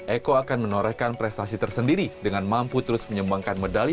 eko akan menorehkan prestasi tersendiri dengan mampu terus menyumbangkan medali